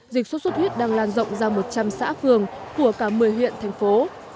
dịch sốt xuất huyết đang lan rộng ra một trăm linh xã phường của cả một mươi huyện thành phố